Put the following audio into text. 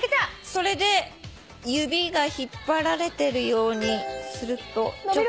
それで指が引っ張られてるようにするとちょっと。